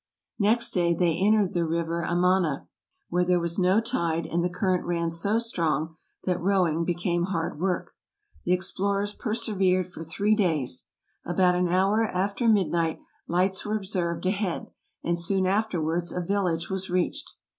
Next day they entered the river Amana, where there was no tide and the current ran so strong that rowing became hard work. The explorers persevered for three days. About an hour after midnight lights were ob served ahead, and soon afterwards a village was reached.